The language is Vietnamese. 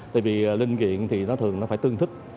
tại vì linh kiện thì nó thường nó phải tương thích